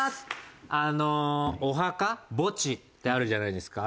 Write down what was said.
あのお墓墓地ってあるじゃないですか。